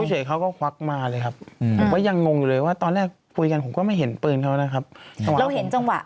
ยูเฉยเขาก็ควักมาเลยครับผมก็ยังงงอยู่เลยว่าตอนแรกพูดกันผมก็ไม่เห็นปืนเขานะครับ